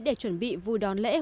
để chuẩn bị vui đón lễ hội kt